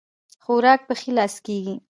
خوراک په ښي لاس کيږي